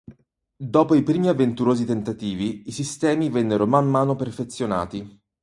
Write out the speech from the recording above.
Dopo i primi avventurosi tentativi, i sistemi vennero man mano perfezionati.